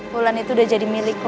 wulan itu udah jadi milik lo